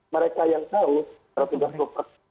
mereka yang tahu tersebut